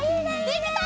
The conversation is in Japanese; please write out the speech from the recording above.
できた！